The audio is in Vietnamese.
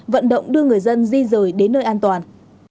vận động đưa người dân di rời đến nơi an toàn